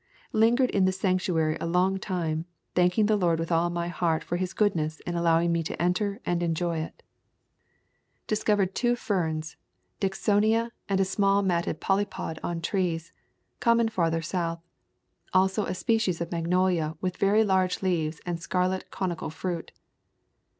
Lingered in this sanctuary a long time thanking the Lord with all my heart for his goodness in allowing me to enter and enjoy it. [ 30] THE CLINCH RIVER, TENNESSEE The Cumberland Mountains Discovered two ferns, Dicksonia and a small matted polypod on trees, common farther South. Also a species of magnolia with very large leaves and scarlet conical fruit.